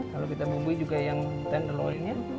kalau kita membeli juga yang tenderloinnya